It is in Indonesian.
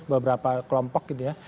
beberapa kelompok gitu ya